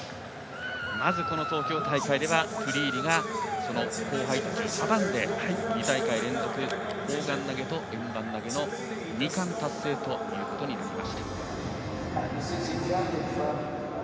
まず、この東京大会ではトゥリーリがその後輩たちを阻んで２大会連続、砲丸投げと円盤投げの２冠達成となりました。